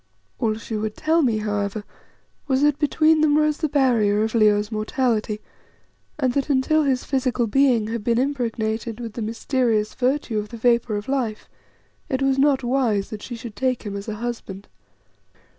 All she would tell me, however, was that between them rose the barrier of Leo's mortality, and that until his physical being had been impregnated with the mysterious virtue of the Vapour of Life, it was not wise that she should take him as a husband.